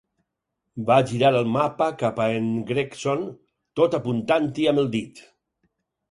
Va girar el mapa cap a en Gregson, tot apuntant-hi amb el dit.